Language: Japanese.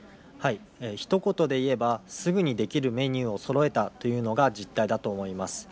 ひと言で言えば、すぐにできるメニューをそろえたというのが実態だと思います。